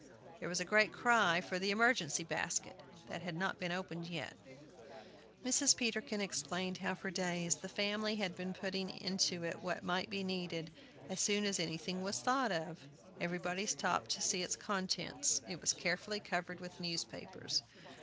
There was a great cry for the "emergency basket," that had not been opened yet. Mrs. Peterkin explained how for days the family had been putting into it what might be needed, as soon as anything was thought of. Everybody stopped to see its contents. It was carefully covered with newspapers.